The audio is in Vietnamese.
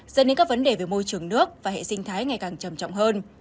dẫn đến các vấn đề về môi trường nước và hệ sinh thái ngày càng trầm trọng hơn